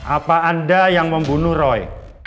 apa anda yang membunuh roy